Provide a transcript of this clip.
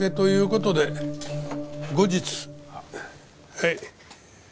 はい。